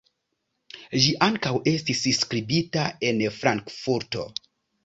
Ĝi ankaŭ estis skribita en Frankfurto.